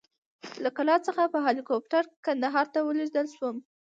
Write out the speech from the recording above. له کلات څخه په هلیکوپټر کندهار ته ولېږدول شوم.